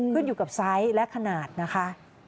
ขึ้นอยู่กับไซส์และขนาดนะคะ